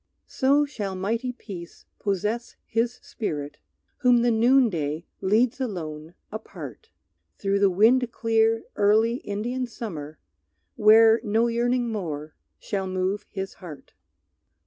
So shall mighty peace possess his spirit Whom the noonday leads alone apart, Through the wind clear early Indian summer, Where no yearning more shall move his heart.